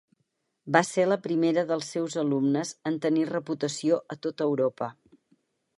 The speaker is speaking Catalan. Va ser la primera dels seus alumnes en tenir reputació a tot Europa.